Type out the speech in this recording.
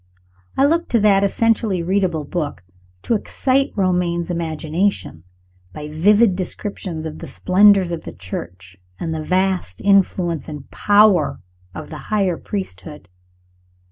I look to that essentially readable book to excite Romayne's imagination, by vivid descriptions of the splendors of the Church, and the vast influence and power of the higher priesthood.